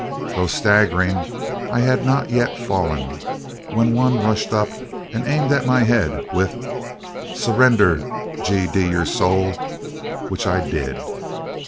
Though staggering, I had not yet fallen, when one rushed up, aimed at my head with "Surrender, G d d n your soul!" which I did.